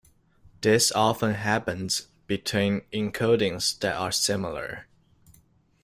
This often happens between encodings that are similar.